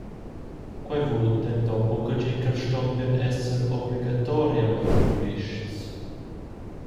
Quei vul denton buca dir ch’els stoppien esser obligatoriamein giurists.